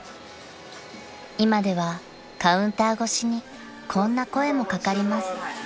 ［今ではカウンター越しにこんな声も掛かります］